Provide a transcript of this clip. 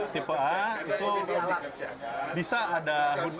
tipe a itu bisa ada hud